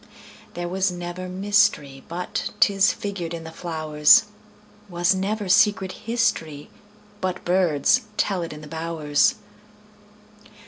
There was never mysteryBut 'tis figured in the flowers; SWas never secret historyBut birds tell it in the bowers.